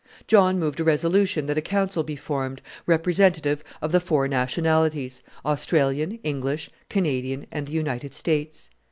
John moved a resolution that a council be formed, representative of the four nationalities Australian, English, Canadian, and the United States.